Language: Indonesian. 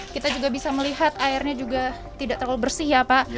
kita juga bisa melihat airnya juga tidak terlalu bersih ya pak